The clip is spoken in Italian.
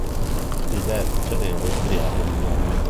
Il vertice nero è striato di bianco.